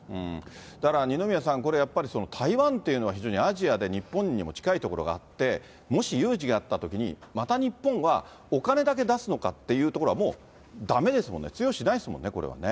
だから、二宮さん、これやっぱり台湾というのは非常に、アジアで日本にも近いところがあって、もし有事があったときに、また日本はお金だけ出すのかっていうところは、もうだめですもんね、通用しないですもんね、これはね。